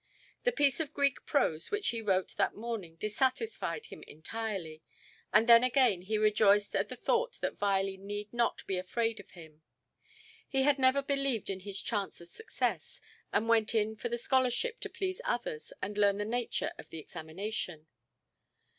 The piece of Greek prose which he wrote that morning dissatisfied him entirely; and then again he rejoiced at the thought that Viley need not be afraid of him. He had never believed in his chance of success, and went in for the scholarship to please others and learn the nature of the examination.